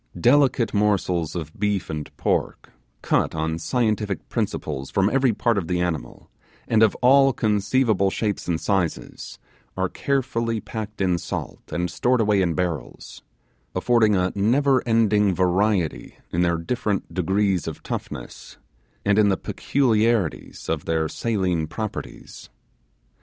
Delicate morsels of beef and pork, cut on scientific principles from every part of the animal, and of all conceivable shapes and sizes, are carefully packed in salt, and stored away in barrels; affording a never ending variety in their different degrees of toughness, and in the peculiarities of their saline properties.